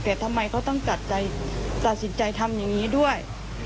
แต่ทำไมเขาต้องตัดสินใจทำอย่างนี้ด้วย